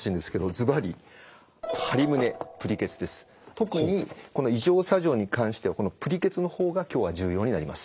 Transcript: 特にこの移乗作業に関してはこのぷりケツの方が今日は重要になります。